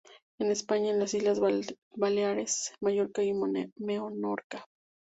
En España en las Islas Baleares en Mallorca y Menorca.